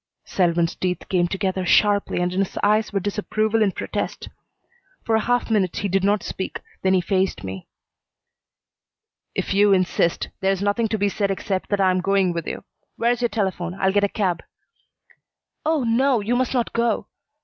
Selwyn's teeth came together sharply and in his eyes were disapproval and protest. For a half minute he did not speak, then he faced me. "If you insist, there's nothing to be said except that I am going with you. Where's your telephone? I'll get a cab." "Oh no! You must not go."